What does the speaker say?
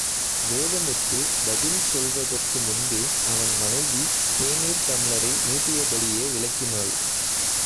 வேதமுத்து பதில் சொல்வதற்கு முன்பே அவன் மனைவி தேநீர் டம்ளரை நீட்டியபடியே விளக்கினாள்.